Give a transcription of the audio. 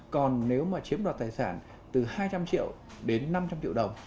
còn nếu mà chiếm đoạt tài sản từ hai trăm linh triệu đến năm trăm linh triệu đồng